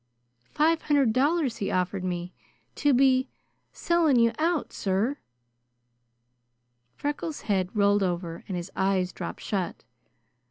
Five hundred dollars he offered me to be selling you out sir!" Freckles' head rolled over and his eyes dropped shut.